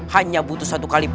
hanya butuh satu kalimat